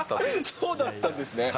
そうだったんですね。